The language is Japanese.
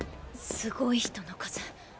すごい人の数。